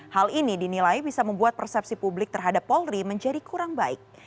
hal ini dinilai bisa membuat persepsi publik terhadap polri menjadi kurang baik